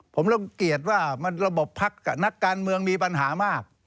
ผมรังเกียจว่าระบบพักกับนักการเมืองมีปัญหามาก